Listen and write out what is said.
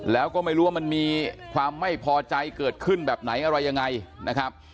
แล้วก็ไม่รู้ว่ามันมีความไม่พอใจเกิดขึ้นแบบไหนอะไรยังไงนะครับ